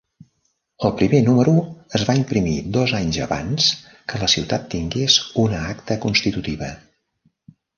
El primer número es va imprimir dos anys abans que la ciutat tingués una acta constitutiva.